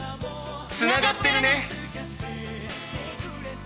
つながってるね！